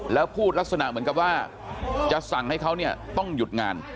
แล้วพูดลักษณะเหมือนกับว่าจะสั่งให้เขาเนี่ยต้องหยุดงาน